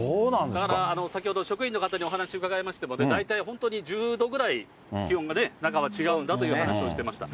だから先ほど職員の方にお話伺いましても、大体本当に１０度ぐらい、気温がね、中は違うんだという話をしてました。